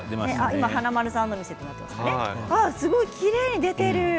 華丸さんもきれいに出ている。